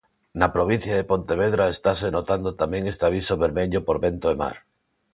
Na provincia de Pontevedra estase notando tamén este aviso vermello por vento e mar.